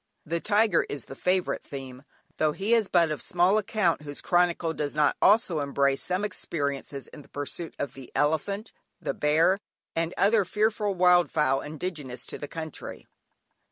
The tiger is the favourite theme, though he is but of small account whose chronicle does not also embrace some experiences in the pursuit of the elephant, the bear and other fearful wildfowl indigenous to the country.